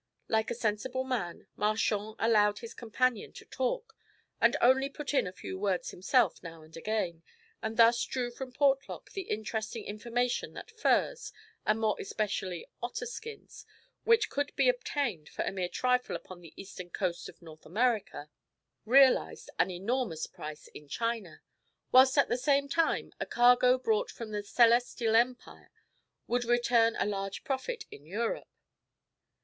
Like a sensible man, Marchand allowed his companion to talk, and only put in a few words himself now and again, and thus drew from Portlock the interesting information that furs, and more especially otter skins, which could be obtained for a mere trifle upon the eastern coast of North America, realized an enormous price in China; whilst at the same time a cargo brought from the Celestial Empire would return a large profit in Europe.